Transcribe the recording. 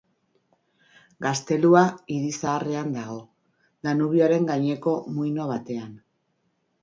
Gaztelua Hiri zaharrean dago, Danubioren gaineko muino batean.